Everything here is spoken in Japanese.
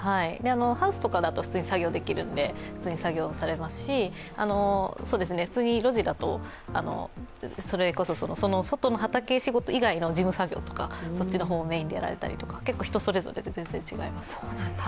ハウスとかだと普通に作業できるので作業しますし、普通に路地だと、それこそ外の畑仕事以外の事務作業とかそっちの方をメーンでやられたりとか人それぞれで全然、違います。